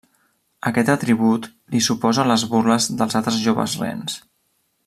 Aquest atribut li suposa les burles dels altres joves rens.